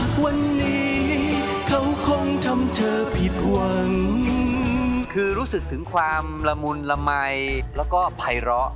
คือรู้สึกถึงความละมุนละมายแล้วก็ภัยร้อ